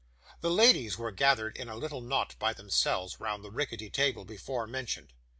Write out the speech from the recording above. The ladies were gathered in a little knot by themselves round the rickety table before mentioned.